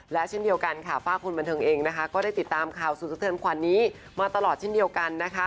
และเช่นเดียวกันฝากคุณบันเทิงเองก็ได้ติดตามข่าวสูตรเทิร์มควันนี้มาตลอดเช่นเดียวกัน